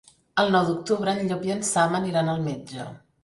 El nou d'octubre en Llop i en Sam aniran al metge.